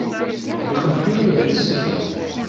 Xneq i layas.